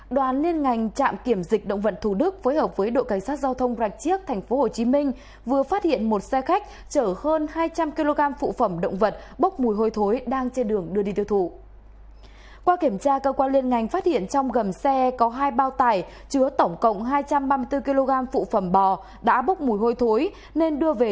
các bạn hãy đăng ký kênh để ủng hộ kênh của chúng mình nhé